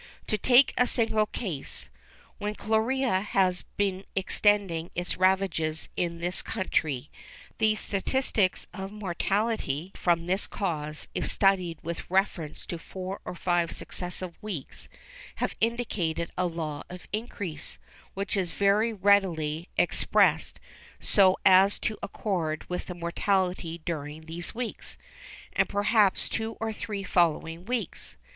To take a single case.—When cholera has been extending its ravages in this country, the statistics of mortality from that cause, if studied with reference to four or five successive weeks, have indicated a law of increase, which is very readily expressed so as to accord with the mortality during those weeks, and perhaps two or three following weeks.